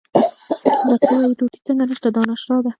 دا څه وایې، روټۍ څنګه نشته، دا ناشتا ده.